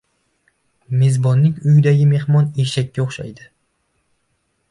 • Mezbonning uyidagi mehmon eshakka o‘xshaydi: